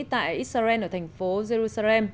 tại israel ở thành phố jerusalem